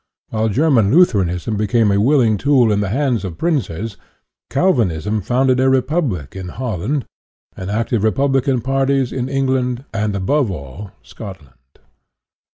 While Ger man Lutheranism became a willing tool in the hands of princes, Calvinism founded a republic in Holland, and active republican parties in Eng land, and, above all, Scotland.